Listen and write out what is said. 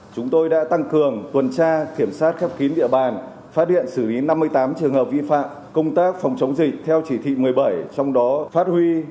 chúng tôi đã tăng cường tuần tra kiểm soát khép kín địa bàn phát hiện xử lý năm mươi tám trường hợp vi phạm công tác phòng chống dịch theo chỉ thị một mươi bảy